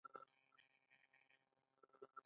دوی له امریکا سره دښمني لري.